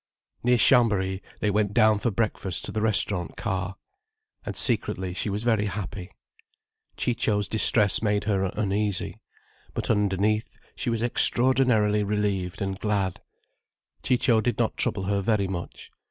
Near Chambéry they went down for breakfast to the restaurant car. And secretly, she was very happy. Ciccio's distress made her uneasy. But underneath she was extraordinarily relieved and glad. Ciccio did not trouble her very much.